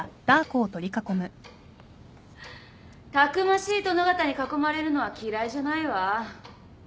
たくましい殿方に囲まれるのは嫌いじゃないわ。